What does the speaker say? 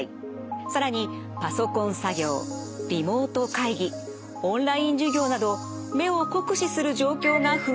更にパソコン作業リモート会議オンライン授業など目を酷使する状況が増えています。